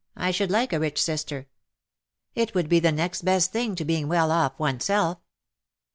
I should like a rich sister. It would be the next best thing to being well off oneself.''